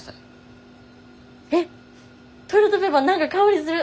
えっトイレットペーパー何か香りする！